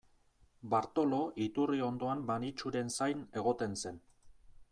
Bartolo iturri ondoan Maritxuren zain egoten zen.